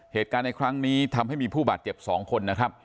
เหตุการณ์ในครั้งนี้ทำให้มีผู้บาดเจ็บ๒คนนะครับ